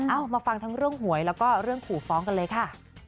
เอามาฟังทั้งเรื่องหวยแล้วก็เรื่องขู่ฟ้องกันเลยค่ะ